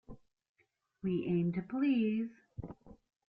We aim to please